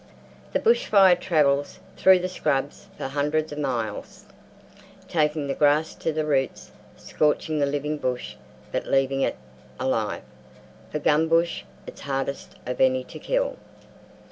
The bush fire travels through the scrubs for hundreds of miles, taking the grass to the roots, scorching the living bush but leaving it alive—for gumbush is hardest of any to kill.